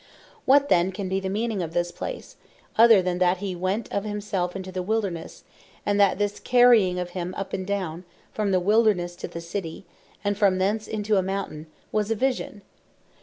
What then can be the meaning of this place, other than that he went of himself into the Wildernesse; and that this carrying of him up and down, from the Wildernesse to the City, and from thence into a Mountain, was a Vision?